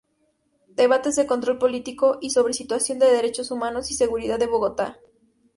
Debates de control político sobre situación de derechos humanos y seguridad en Bogotá.